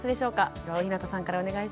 では大日向さんからお願いします。